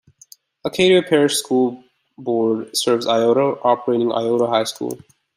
Acadia Parish School Board serves Iota, operating Iota High School.